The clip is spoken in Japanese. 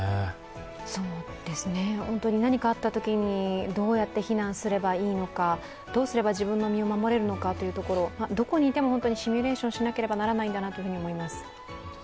何かあったときに、どうやって避難すればいいのか、どうすれば自分の身を守れるのかというところ、どこにいてもシミュレーションしなければならないんだなと思います。